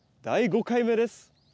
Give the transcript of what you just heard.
第５回目です。